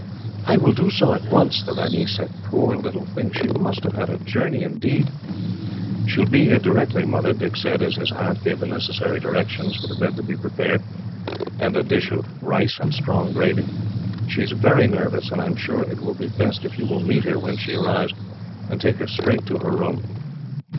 "I will do so at once," the ranee said. "Poor little thing, she must have had a journey, indeed." "She will be here directly, Mother," Dick said, as his aunt gave the necessary directions for the bed to be prepared, and a dish of rice and strong gravy. "She is very nervous, and I am sure it will be best if you will meet her, when she arrives, and take her straight to her room."